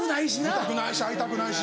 見たくないし会いたくないし。